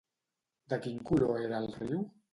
De quin color era el riu?